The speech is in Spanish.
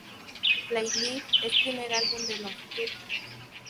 Flyleaf es primer álbum de longitud.